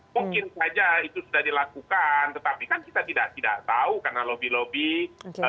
mungkin saja itu sudah dilakukan tetapi kan kita tidak tahu karena lobby lobby